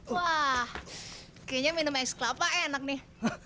wah kayaknya minum es kelapa enak nih